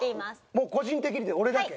もう個人的に俺だけ？